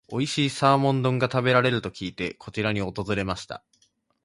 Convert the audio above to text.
おいしいサーモン丼が食べれると聞いて、こちらに訪れました。